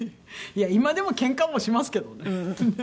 いや今でもけんかもしますけどね。